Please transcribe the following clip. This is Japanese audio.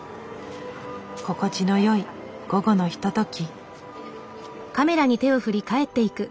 心地のよい午後のひととき。